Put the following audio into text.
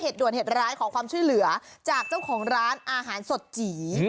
ด่วนเหตุร้ายขอความช่วยเหลือจากเจ้าของร้านอาหารสดจี